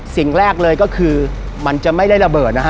สิ่งแรกเลยก็คือมันจะไม่ได้ระเบิดนะฮะ